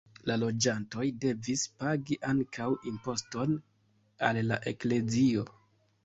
La loĝantoj devis pagi ankaŭ imposton al la eklezio.